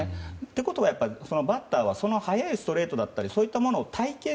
ということはバッターは速いストレートだったりそういったものを体験